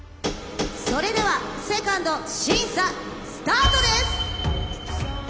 ・それでは２ｎｄ審査スタートです。